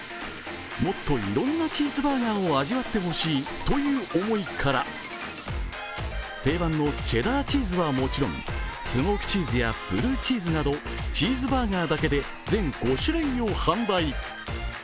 もっといろんなチーズバーガーを味わってほしいという思いから定番のチェダーチーズはもちろん、スモークチーズやブルーチーズなどチーズバーガーだけで全５種類を販売。